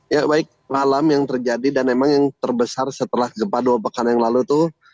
ya baik malam yang terjadi dan memang yang terbesar setelah gempa dua pekan yang lalu itu